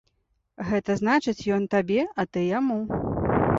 Гэта значыць, ён табе, а ты яму.